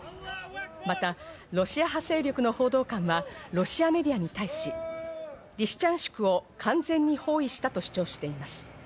またロシア派勢力の報道官はロシアメディアに対し、リシチャンシクを完全に包囲したと主張しています。